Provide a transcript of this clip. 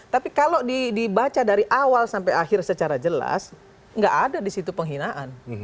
tapi kalau dibaca dari awal sampai akhir secara jelas nggak ada di situ penghinaan